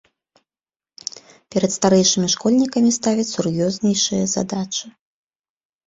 Перад старэйшымі школьнікамі ставяць сур'ёзнейшыя задачы.